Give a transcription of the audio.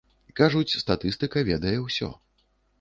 Кажуць, статыстыка ведае ўсё.